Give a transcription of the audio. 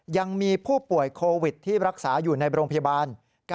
ยังมีผู้ป่วยโควิดที่รักษาอยู่ในโรงพยาบาล